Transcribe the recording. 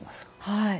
はい。